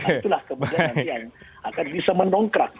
itulah kemudian yang akan bisa mendongkrak